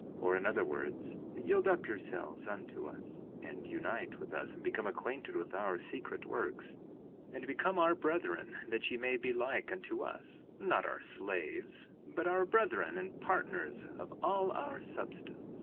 3:7 Or in other words, yield yourselves up unto us, and unite with us and become acquainted with our secret works, and become our brethren that ye may be like unto us—not our slaves, but our brethren and partners of all our substance.